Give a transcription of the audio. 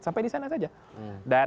sampai di sana saja